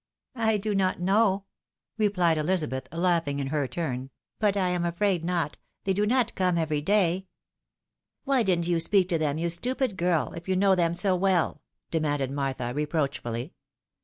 I do not know,'' replied Elizabeth, laughing in her turn ;" but I am afraid not, — ^they do not come every day." " Why didn't you speak to them, you stupid girl, if you know them so well ?" demanded Martha, reproachfully.